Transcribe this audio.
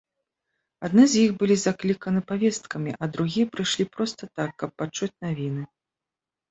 Адны з іх былі закліканы павесткамі, а другія прыйшлі проста так, каб пачуць навіны.